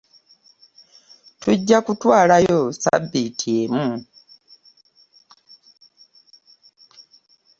Tujja kutwalayo ssabbiti emu.